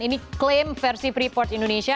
ini klaim versi pre port indonesia